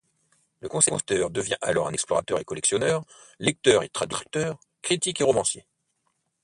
Le concepteur devient alors un explorateur et collectionneur, lecteur et traducteur, critique et romancier.